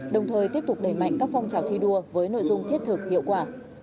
đồng thời tiếp tục đẩy mạnh các phong trào thi đua với nội dung thiết thực hiệu quả